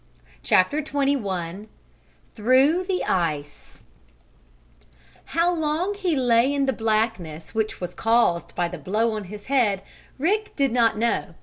CHAPTER XXI THROUGH THE ICE How long he lay in the blackness, which was caused by the blow on his head, Rick did not know.